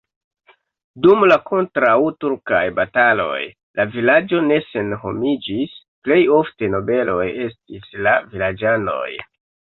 Dum la kontraŭturkaj bataloj la vilaĝo ne senhomiĝis, plej ofte nobeloj estis la vilaĝanoj.